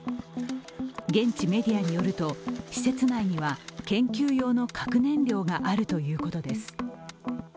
現地メディアによると施設内には研究用の核燃料があるということです。